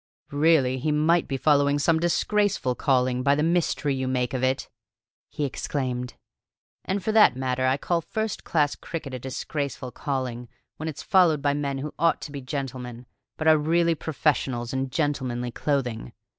"Really, he might be following some disgraceful calling, by the mystery you make of it!" he exclaimed. "And for that matter I call first class cricket a disgraceful calling, when it's followed by men who ought to be gentlemen, but are really professionals in gentlemanly clothing.